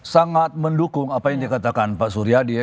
sangat mendukung apa yang dikatakan pak suryadi